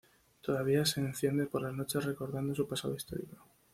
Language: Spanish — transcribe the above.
Todavía se enciende por las noches recordando su pasado histórico.